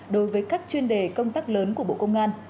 đối với các chuyên đề công tác lớn của bộ công an